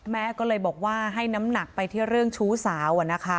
แม่ก็เลยบอกว่าให้น้ำหนักไปที่เรื่องชู้สาว